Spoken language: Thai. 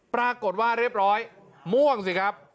ปรากฏว่าเรียบร้อยม่วงสิครับ